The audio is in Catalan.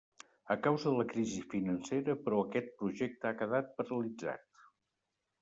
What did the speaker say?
A causa de la crisi financera però aquest projecte ha quedat paralitzat.